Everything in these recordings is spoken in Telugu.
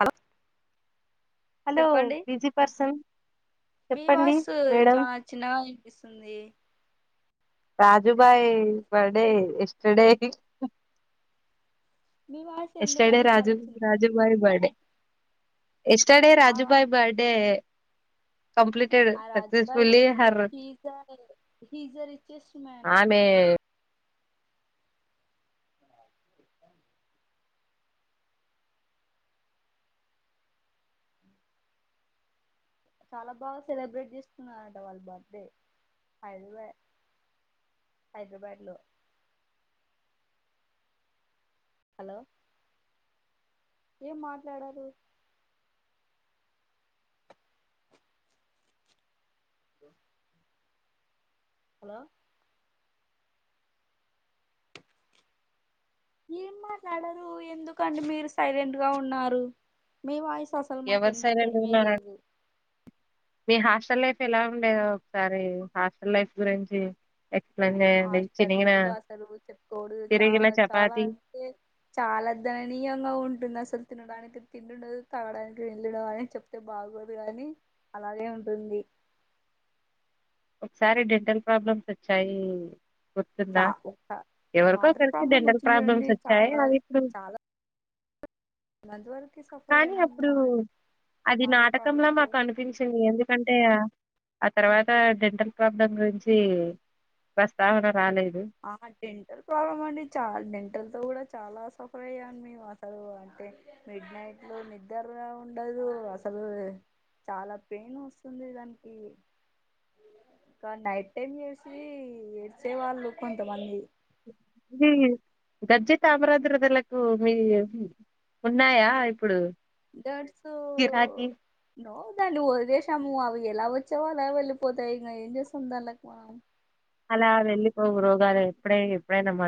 హలో హలో చెప్పండి బిజీ పర్సన్ మీ చెప్పండి వాయిస్ మేడం చానా చిన్నగా వినిపిస్తుంది రాజుభాయ్ బర్డే ఎస్టర్డే మీ వాయిస్ ఎస్టర్డే ఎందుకండి చాలా రాజు చిన్నగా రాజుభాయి ఉంది బర్డే ఎస్టర్డే ఆ రాజుభాయ్ బర్డే కంప్లీటెడ్ ఆ Rajubhai successfully very her he's హ ఇజ రిచెస్ట్ మ్యాన్ ఆమె [inaudible] చాలా బాగా సెలబ్రేట్ చేసుకున్నారంట వాళ్ళ బర్త్డే హైదరాబాద్ హైదరాబాద్ లో హలో ఏం మాట్లాడారు [inaudible] హలో ఏమ్మా మాట్లాడారు ఎందుకండి మీరు సైలెంట్ గా ఉన్నారు మీ వాయిస్ అసలు మాకు ఎవరు సైలెంట్ ఇనిపించడమే ఉన్నారండి లేదు మీ హాస్టల్ లైఫ్ ఎలా ఉండేదో ఒకసారి హాస్టల్ లైఫ్ గురించి ఎక్స్ప్లెయిన్ చేయండి హాస్టల్ చినిగిన ఎక్కువ అసలు చెప్పుకోడు తిరిగిన చాలా చాలా చపాతి అంటే చాలా దణనీయంగా ఉంటుంది అసలు తినడానికి తిండిండదు తాగడానికి నిల్లుండదు అని చెప్తే బాగోదు కాని అలాగే ఉంటుంది ఒకసారి డెంటల్ ప్రాబ్లమ్స్ వచ్చాయి గుర్తుందా చ ఒక ఎవరికో వాటర్ ఒకరికి ప్రాబ్లం డెంటల్ వచ్చింది చూడండి ప్రాబ్లమ్స్ వచ్చాయి చాలా అవి ఇప్పుడు నందవర కానీ అప్పుడు అది వాటర్ ప్రాబ్లం నాటకంలా తో మాకు అనిపించింది ఎందుకం టె అంత ఆ తర్వాత డెంటల్ ప్రాబ్లం గురించి ప్రస్తావన రాలేదు ఆ డెంటల్ ప్రాబ్లం అండి చాలా డెంటల్ తో కూడా చాలా సఫర్ అయ్యాం మేము అసలు అంటే మిడ్ నైట్ లో నిద్రగా ఉండదు అసలు చాలా పెయిన్ వస్తుంది దానికి ఇంకా నైట్ టైమ్ చేసి ఏడ్సే వాళ్ళు కొంతమంది మీ గర్జి తామరాద్రతలకు మీ ఉన్నాయా ఇప్పుడు దట్ సో గిరాకీ నో దాని వదిలేశాము ఎలా వచ్చావా అలా వెళ్లిపోతాయి ఇం ఏం చేస్తాం దాన్లకి మనం అలా వెళ్ళిపో రోగాలు ఎప్పుడై ఎప్పుడైనా మ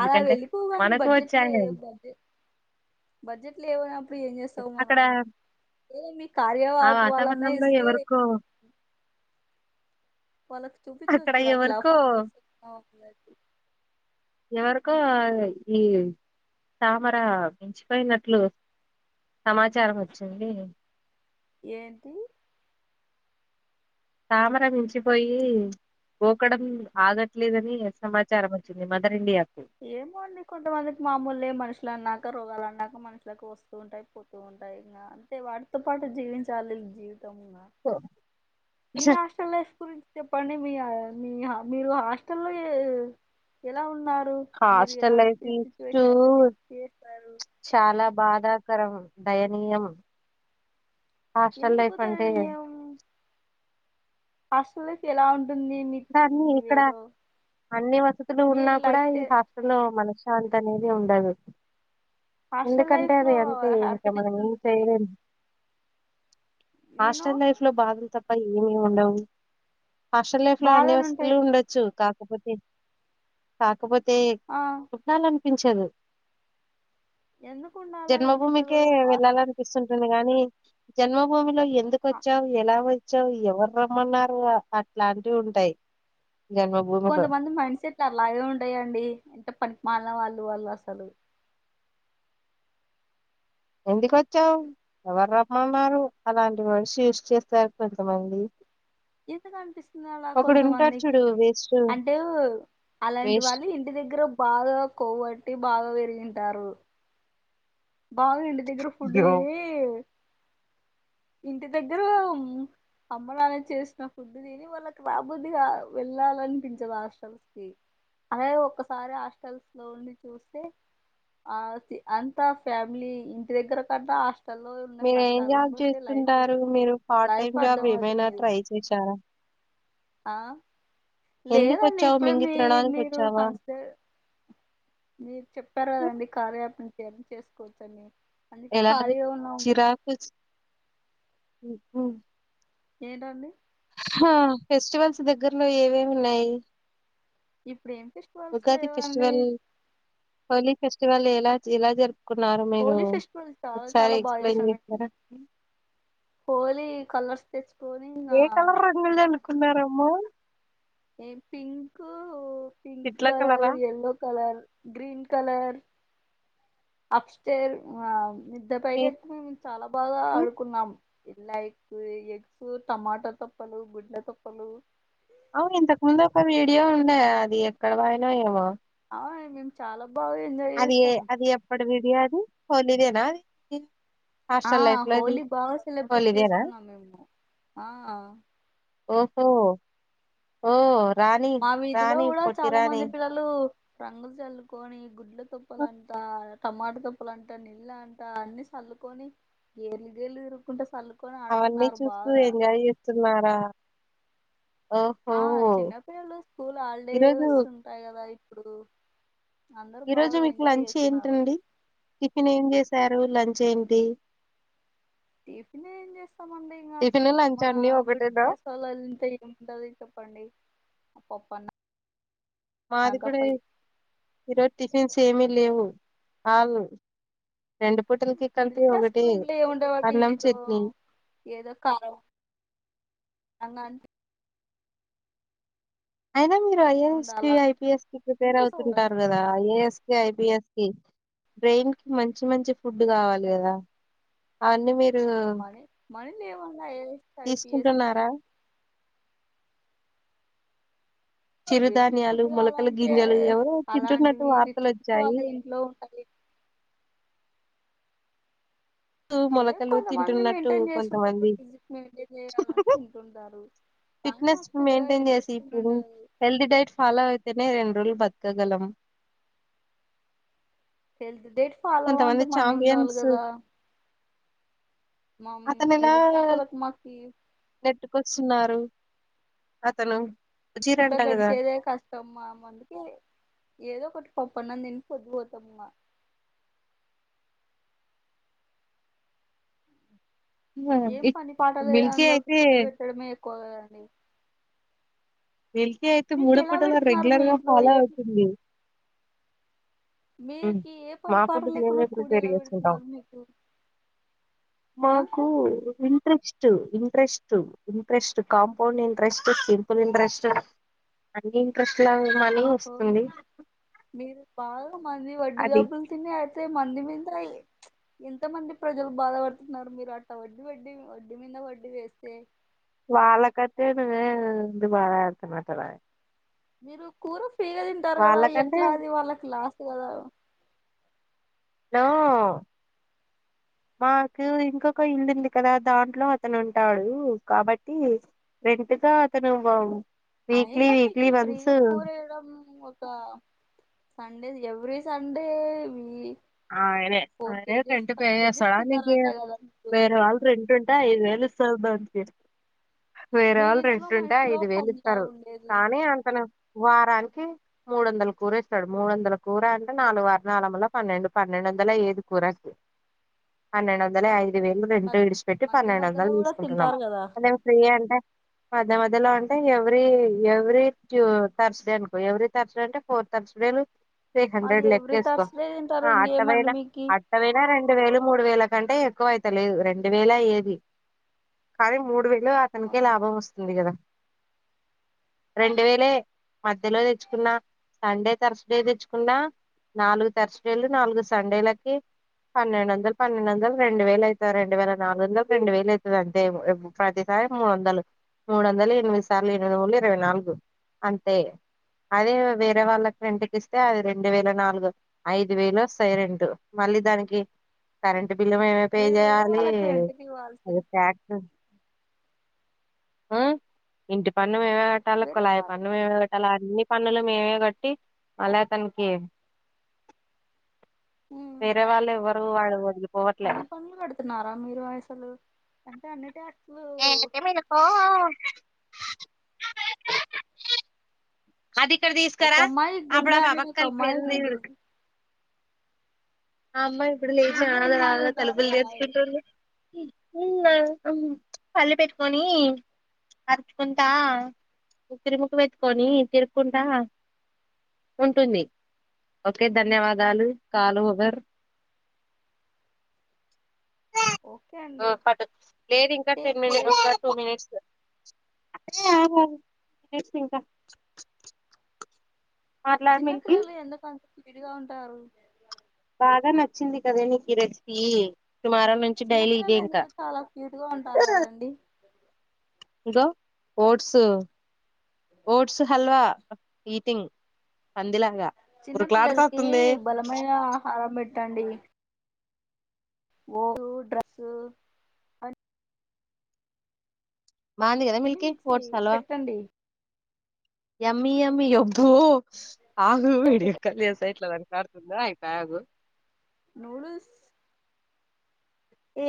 అలా వెళ్ళిపోవని బడ్జెట్ లో వచ్చాయి. అవి. బడ్జెట్ బడ్జెట్ లో ఏవైనా అప్పుడు ఏం చేస్తావు అక్కడ మనము ఏ మీ ఆ కార్యవాపు వలనే వాతావరణంలో ఇస్తే ఎవరికో ఎక్ వాళ్ళకి అక్కడ చూపిచ్చచ్చు అట్లా ఎవరికో ఫంగస్ ఎవరికో ఈ తామర మించిపోయినట్లు సమాచారం వచ్చింది ఏంటి తామర మించిపోయి గోకడం ఆగట్లేదని సమాచారం వచ్చింది మదర్ ఇండియా ఏమో అండి కొంతమందికి మామూలే మనుషుల అన్నాక రోగాలు అన్నాక మనుషులకు వస్తూ ఉంటాయి పోతూ ఉంటాయి ఇంగ అంతే వాటితో పాటు జీవించాలి జీ తం ఇంగా మీ ఆస్టల్ లైఫ్ గురించి చెప్పండి మీ మీ మీరు హాస్టల్ లో ఎలా ఉన్నారు మీరు హాస్టల్ లైఫ్ ఎలాంటి ఇస్టు సిచ్యువేషన్స్ ఫేస్ చేస్తారు చాలా బాధ కరం దయనీయం హాస్టల్ లైఫ్ అంటే ఇక్కడ హా సల్ ఎలా ఉం ఇక్కడ అన్ని ఇక్కడ అన్ని వసతులు ఉన్నా మీరు కూడా లైఫ్ ఈ చే హాస్టల్ లో మన శాంతి అనేది ఉండదు హాస్టల్ ఎందుకంటే లైఫ్ లో అది అంతే ఇంకా హ్యాపీనెస్ మనం ఏం ఉంటుంది చేయలేం యూనో హాస్టల్ లైఫ్ లో బాదలు తప్పది హాస్టల్ లైఫ్ ట్లా అన్ని బాధలు వస్తులు ఉంటాయి ఉండొచ్చు కా తాత్ క పోతే ఆ పించదు ఎందుకు ఉండాలని అనిపించదు జన్మభూమికే హా వెళ్ళాలనిపిస్తుంటుంది గానీ హ్మ్ జన్మభూమిలో ఎందుకొచ్చావ్ ఎలా వొ చౌ ఎవరు రమ్మన్నారు అట్లాన్ ఉంటాయ్ కొంతమంది మైండ్ సెట్లు అలాగే ఉంటయండి ఎంత పనికిమాలిన వాళ్ళు లు వాళ్ళు అసలు ఎందుకొచ్చావు ఎవరు రమ్మన్నారు అలాంటి మనిషి యూస్ చేస్తారు కొంతమంది ఇంతక అనిపిస్తుంది అలా ఒకడు ఉంటాడు చూడు కొంతమందికి వేస్ట్ అంటే అలాంటి వేస్ట్ వాళ్ళు ఇంటి దగ్గర బాగా కొవ్ బట్టి బాగా వెరిగింటారు బాగ ఇంటి దగ్గర ఫుడ్ యో దిని ఇంటి దగ్గర అమ్మ నాన్న చేసిన ఫుడ్ తిని వాళ్ళకి రాబుద్దిగా వెళ్ళాలనిపించదు హాస్టల్స్ కి అలాగే ఒక్కసారి హాస్టల్స్ లో ఉండి చూస్తే ఆ అం స ఫ్యామిలీ ఇంటి దగ్గర కన్నా హాస్టల్లో ఉన్న మీరు ఏం కష్టాలను జాబ్ బట్టి లైఫ్ చేస్తుంటారు మీరు పార్ట్ లైఫ్ టైమ్ జాబ్ అర్థం ఏమైనా అవుతుంది ట్రై చేశారా ఆ ఎందుకు లేదండి వచ్చావు ఇప్పుడే మింగి మీ తినడానికి మీరు వచ్చావా కన్సిడర్ మీరు చెప్పారు ఉమ్, కదండి కార్య యాప్ యని చేసుకోచ్చని ఎలాన్నారు చిరాకు ఉమ్ ఉమ్ ఏంటండి ఆ ఫెస్టివల్స్ దగ్గరలో ఏవేవున్నాయి ఇప్పుడు ఏం పెస్టివల్స్ లేవండి వల్ ఎలా ఎలా జరుప్ కున్నారు మీరు హోలీ ఫెస్టివల్ చాలా ఒకసారి చాలా బాగా ఎక్స్ప్లెయిన్ చేసాం మేము చేస్తారా హోలీ కలర్స్ తెచ్ ఏ కలర్ రంగులు జల్ కున్నారమ్మ ఎం పింకు పింక్ ఇట్ల కలర్ కలరా? యల్లో కలర్ గ్రీన్ కలర్ అప్టేర్ ఆ మిద్ద ఏ పైకెక్కి మేము చాలా బాగా హ్మ్ ఆడుకున్నాం లైక్ ఎగ్స్ టమాటో తో తప్పలు గుడ్ల తప్పలు అవును ఇంతకు ముందు ఒక వీడియో ఉండ అది ఎక్కడ పాయినో ఏమో ఆ మేము చాలా బాగా ఎంజాయ్ అది చేస్తాం అది ఎప్పుడి విడియో ఉమ్ హోలీ దే నా అది ఆ హాస్టల్ లైఫ్ లో అది హోలీ బా సెలబ్రేట్ హోలీదేనా? చేసుకున్నాం మేము ఆ ఓహో ఓ రాణి మా వీధిలో రాణి కూడా పొట్టి చాలా రాణి మంది పిల్లలు రంగులు చల్లుకొని గుడ్లు తుప్పలంట టమాట తుప్పులుంట నీళ్ళ అంటా అన్ని సల్లుకొని గేర్లు గేర్లు తిరుక్కుంటా సల్లు అవన్నీ చూస్తూ ఎంజాయ్ చేస్తున్నారా ఓహో ఆ చిన్నపిల్లలు స్కూల్ ఈరోజు హాలిడేస్ ఉంటాయి కదా ఇ ఇప్పుడు అందరు ఈ రోజు బాగా మీకు ఎంజాయ్ లంచ్ చేస్తున్నారు ఏంటండి టిఫిన్ ఏం చేశారు లంచ్ ఏంటి టిఫిన్ ఏం చేస్తామండి ఇంకా టిఫిన్ లంచ్ అన్ని మిడిల్ ఒకటేనా క్లాస్ వాలోళ్ళ ఇంట్ల ఏముంటంది చెప్పండి పప్పన్న మాది కూడా ఈరోజు టిఫిన్స్ ఏమి లేవు ఆల్ రెండు పూటలకి కలిపి మిడిల్ క్లాస్ ఒకటి ఇంట్లో ఏం ఉంటాడండి అన్నం ఏదో చట్నీ ఏదో కారం అంగన్ అయనా మీ ఐఏఎస్ కి ఉండాలా ఐపీఎస్ కి ప్రిపేర్ ఎన్ని అవుతుంటారు కదా ఐఏఎస్ కి ఐపీఎస్ బ్రెయిన్ కి మంచి మంచి ఫుడ్ కావాలి కదా అవన్నీ మీ మ మనీ లేవాడా I A S I PS కి తీసుకుంటున్నారా బెంక్ చిరుధాన్యాలు ఫుడ్ మొలకల కావాలంటే గింజలు ఎవరో తింటున్నట్టు అలాంటివి రిచ్ వార్తలు కిడ్స్ వల్ల వచ్చాయి ఇంట్లో ఉంటాయి ఏ మొలకలు కొంతమంది తింటున్నట్టు మెయింటైన్ చేస్తుంటారు కొంతమంది ఫిజిక్ మెయింటైన్ చేయాలని తింటుంటారు కానీ ఫిట్నెస్ మాకు పెద్దగా మెయింటైన్ చేసి ఇంట్రెస్ట్ ఇప్పుడు ఉండదు హెల్తీ డైట్ ఫాలో అయితేనే రెండు రోజులు బతు క్కగలం డేట్ కొంతమంది చాంపియన్స్ మా అతను ఇలా మిడిల్ క్లాస్ వాళ్ళకి మాకి నెట్టుకొస్తున్నారు అతను అజీర్ పూట అంట కదా గడిచేదే కష్టం మా అమ్మ వాళ్ళకి ఏదో ఒకటి పప్పు అన్నం తిని పొద్దు పోతము ఇగ హ్మ్. ఏం ఇ పని పాట లేని మిల్కీ వాళ్ళకి అయితే పుడ్ పెట్టడం ఏ ఎక్కువ అని మిల్కీ అయితే మూడు పూటల మీ రెగ్యులర్ గా ఇంట్లో ఫాలో ఏ అవుతుంది హు మీకి ఏ మా పని పాట పుడ్ మేమే లేకుండా కూడి ప్రిపేర్ ఎలా చేసుకుంటాం పెడుతున్నారు మీకు ఆ మాకు interest interest interest interest compound interest simple interest అన్ని ఇంట్రెస్ట్ ఎలా మనీ ఓహో వస్తుంది మనీ వడ్డీ అది అబ్బులు తినే అంతే మంది మీద ఎంత మంది ప్రజలు బాధపడుతున్నారు మీరు అట్ట వడ్డీ వడ్డీ వడ్డీ మీద వడ్డీ వేస్తే వాళ్ళకంటే నువ్వే బాద పడుతున్నట్టు ఉన్నావు మీరు కూర ఫ్రీ గా తింటారు కదా ఎట్లా అది వాళ్ళకి లాస్ కదా హలో మాకు ఇంకొక ఇల్లుంది కదా దాంట్లో అతను ఉంటాడు కాబట్టి రెంటుగా అతను వీక్లీ అయినా వీక్లీ మీకు వన్స్ ఫ్రీగా కూరేయడం ఒక Sunday the every Sunday we ఆయనే ఆయన రెంట్ కేజెస్ పేజేస్తాడా తినాలంట లేంకీయదా కదా మీరు వేరే వాళ్ళు రెంట్ అంట ఐదు వేలు సల్మాన్ కీ వేరే వాళ్ళు మీరింట్లో రెంట్ ఉంటే మనిషిలో ఐదు వేలు పందిలా ఇత్తరు ఉండేది కానీ అంతను వారానికి మూడు వందల కూర ఇస్తాడు మూడు వందల కూర అంటే నాలుగు ముల్ల పన్నెండు పన్నెండు వందల ఏది కూర పన్నెండు వందల ఐ ఐదు వేలు మ రెంట్ విడిచిపెట్టి మధ్య పన్నెండు వందలు మధ్యలో కూడా తీసుకుంటున్నాము తింటారు కదా అన్నాం ఫ్రీ అంటే పడవన్ మధ్య లో అంటే ఎవ్రీ ఎవ్రీ ట్యూ తర్స్ డే అనుకో ఎవ్రీ తర్స్ డే అంటే ఫోర్ తర్స్ డే లు త్రీ మళ్ళీ హండ్రెడ్ ఎవ్రీ లెక్కేసుకో థర్స్డే తింటారు ఇంకేమండి అట్టవేనా మీకి అట్టవేనా రెండు వేలు మూడు రెండు వేల కంటే ఎక్కువ అయితలేదు రెండు వేలే అయ్యేది కానీ మూడు వేలు లో అతనికే అవునా లాభం వస్తుంది కదా రెండు వేలే మధ్యలో తెచ్చుకున్న సండే తర్స్ డే తెచ్చుకున్నా నాలుగు తర్స్ ఏళ్ళు నాలుగు సండేలకి పన్నెండు వందలు పన్నెండు వందలు రెండు వేలు అయిత రెండు వేల నాలుగు వందలు రెండు వేలు అయితది. అంతే ప్రతిసారి మూడు వందలు మూడు వందలు ఎనిమిది సార్లు ఎనిమిది ముళ్ళ ఇరవై నాలుగు అంతే అదే వేరే వాళ్ళకి రెంట్ కు ఇస్తే అది రెండు వేల నాలుగు ఐదు వేలు సైరెంట్ మళ్ళీ దానికి కరెంట్ ఈ బిల్లు మీమే పే మీరు వేరే చేయాలి వాళ్ళకి రెంటికి ఇవ్వాల్సి అది ట్యాక్స్ ఆ ఇంటి పన్ నువ్ ఏడ పెట్టాలి వేరే కుళాయి వా పని నువ్ ఏడ పెట్టాలి అన్ని పన్నులు మీమే కట్టి అలా అతనికి వేరే వాళ్ళ ఎవ్వరు వాడు పోండి అన్ని పన్నులు కడుతున్నారా మీరు అయసలు టానేర్ట ఎల్ కె మేలుకో అది ఇక్కడ ఒక తీసుకరా అమ్మాయి అప్పుడు గుండె ఆ పాప అనే కు ఒక అమ్మాయి కలిపేది ఉంది చూడూ ఆ అమ్మా ఇప్పుడు లేచా గుండె అమ్మాయి ఆగరాదు ఉండదు ఒక తలుపులు అమ్మాయి తీర్చకుంటుంది పల్లి పెట్టుకొని అరుచుకుంటా ఉకురి ముక్కు పెట్టుకొని తిరుక్కుంటా ఉంటుంది ఓకే ధన్యవాదాలు కాలు ఓవర్ ఓకే ఒ అండి పటు లేదు ఇంకా టేక్ టెన్ మినిట్ కేర్ ఒక టూ మినిట్స్ అరేరే చెప్పు ఇంకా మాట్లాడు చిన్న మిల్కీ పిల్లలు ఎందుకు అన్ విడిగా ఉంటారు బాగా నచ్చింది కదా నీకు రెసిపీ టుమారో నుంచి డైలీ ఇదే చిన్నపిల్లలు ఇంకా ఎందుకో చాలా క్యూట్ గా ఉంటారు కదా అండి గవు ఓట్స్ ఓట్స్ హల్వా ఈటింగ్ పందిలాగా చిన్న పిల్లలకి ఉరుకులాడుతాతుంది బలమైన ఆ పెట్టండి ఓ డ్రెస్సు అ బాంది గా అన్ని మిల్కీ మిక్సీ ఓట్స్ హల్వా పెట్టండి ఎమ్మి ఎమ్మి ఎబ్బో ఆగు వీడియోకల్ ఎస్త ఎట్లా పడ్ లాడుతుందా ఈ బ్యాగు నూడుల్స్ ఏ